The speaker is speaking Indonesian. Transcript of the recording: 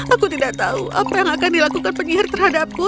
aku tidak tahu apa yang akan dilakukan penyihir terhadapku